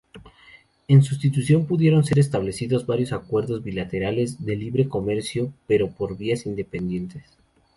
En sustitución, pudieron ser establecidos varios acuerdos bilaterales de libre-comercio, pero por vías independientes.